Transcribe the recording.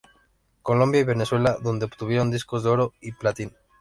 Colombia y Venezuela, donde obtuvieron "Discos de Oro" y "Platino".